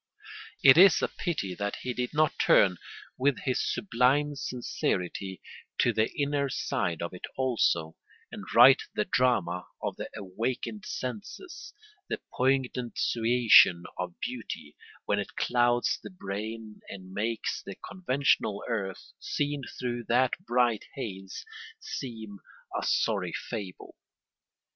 It is a pity that he did not turn, with his sublime sincerity, to the inner side of it also, and write the drama of the awakened senses, the poignant suasion of beauty, when it clouds the brain, and makes the conventional earth, seen through that bright haze, seem a sorry fable.